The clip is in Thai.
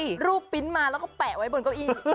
เอารูปปิ๊นมาแล้วแปะไว้บนเก้าอี้